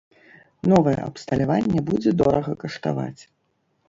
Новае абсталяванне будзе дорага каштаваць.